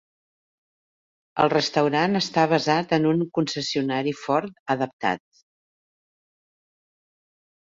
El restaurant està basat en un concessionari Ford adaptat.